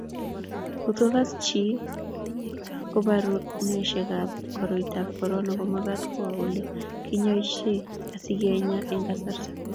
Ngotko Kas chi koborunosiekab ab koroitab korona komagat kowo Ole kinyoisee asikenya eng kasarta